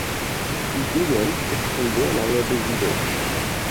Die Gegend ist schon sehr lange besiedelt.